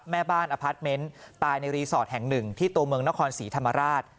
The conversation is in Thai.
แม่บ้านอพาร์ทเมนต์ตายในรีสอร์ทแห่งหนึ่งที่ตัวเมืองนครศรีธรรมราช